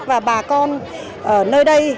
và bà con ở nơi đây